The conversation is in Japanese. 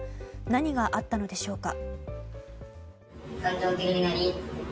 何があったのでしょうか。